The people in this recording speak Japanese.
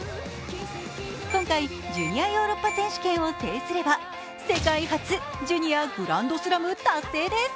今回ジュニアヨーロッパ選手権を制すれば世界初、ジュニアグランドスラム達成です。